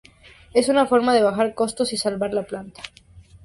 Es una forma de bajar costos y salvar la planta.